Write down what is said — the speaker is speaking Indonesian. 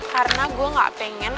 karena gue gak pengen